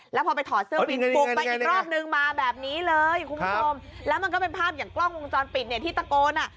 แล้วพอไปถอดเสื้อวินปลุกไปอีกรอบนึงมาแบบนี้เลยคุณผู้ชมแล้วมันก็เป็นภาพอย่างกล้องวงจรปิดเนี่ยที่ตะโกนอ่ะ